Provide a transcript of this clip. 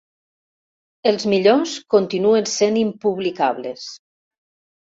Els millors continuen sent impublicables.